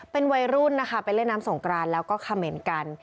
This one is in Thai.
เป็นวัยรุ่นนะคะไปเล่นน้ำสงกรานแล้วก็เขม่นกัน